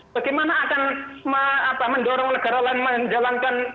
bagaimana akan mendorong negara lain menjalankan